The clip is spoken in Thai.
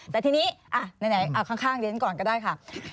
แต่ทีนี้ไหนข้างเดี๋ยวฉันก่อนก็ได้ค่ะ